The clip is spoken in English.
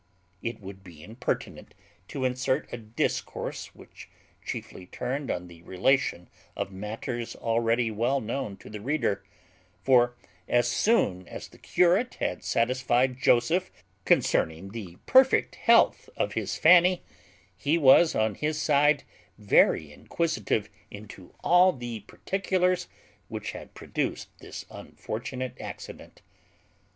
It would be impertinent to insert a discourse which chiefly turned on the relation of matters already well known to the reader; for, as soon as the curate had satisfied Joseph concerning the perfect health of his Fanny, he was on his side very inquisitive into all the particulars which had produced this unfortunate accident.